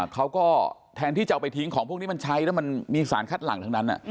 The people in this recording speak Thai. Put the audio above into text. เขาก็แทนที่จะเอาไปทิ้งของพวกนี้มันใช้แล้วมันมีสารคัดหลังทั้งนั้น